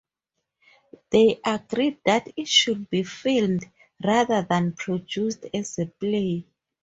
They agreed that it should be filmed rather than produced as a play.